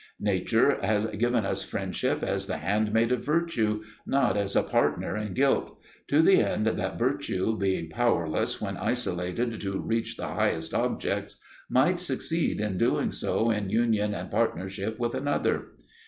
Nature has given us friendship as the handmaid of virtue, not as a partner in guilt: to the end that virtue, being powerless when isolated to reach the highest objects, might succeed in doing so in union and partnership with another.